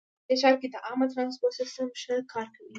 په دې ښار کې د عامه ترانسپورټ سیسټم ښه کار کوي